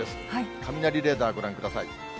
雷レーダーご覧ください。